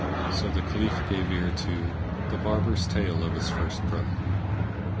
So the Caliph gave ear to The Barber's Tale of his First Brother.